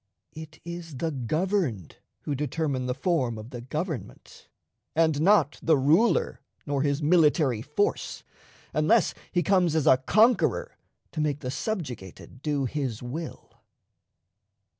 It is the governed who determine the form of the government, and not the ruler nor his military force, unless he comes as a conqueror to make the subjugated do his will.